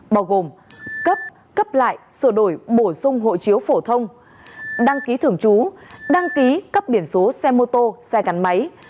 bao gồm cấp cấp lại sửa đổi bổ sung hộ chiếu phổ thông đăng ký thường trú đăng ký cấp biển số xe mô tô xe gắn máy